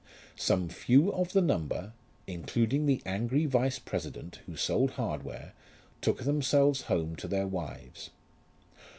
Some few of the number, including the angry vice president, who sold hardware, took themselves home to their wives.